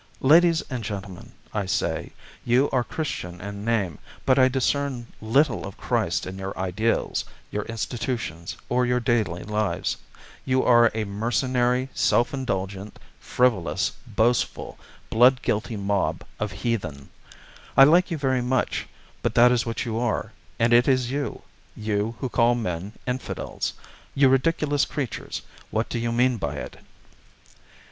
"Ladies and Gentlemen," I say, "you are Christian in name, but I discern little of Christ in your ideals, your institutions, or your daily lives. You are a mercenary, self indulgent, frivolous, boastful, blood guilty mob of heathen. I like you very much, but that is what you are. And it is you you who call men 'Infidels.' You ridiculous creatures, what do you mean by it?"